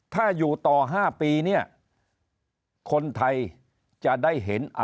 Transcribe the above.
ถ้าอยู่ต่อ๕ปีเนี่ยคนไทยจะได้เห็น